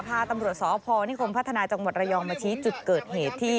พาตำรวจสพนิคมพัฒนาจังหวัดระยองมาชี้จุดเกิดเหตุที่